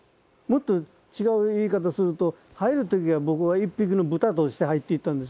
もっと違う言い方すると入る時は僕は一匹の豚として入っていったんです。